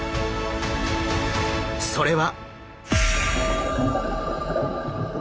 それは。